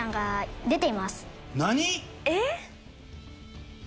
えっ？